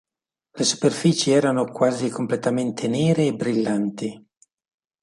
Le superfici erano quasi completamente nere e brillanti.